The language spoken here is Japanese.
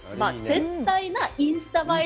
絶対なインスタ映え